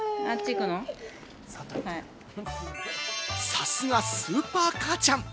さすがスーパー母ちゃん！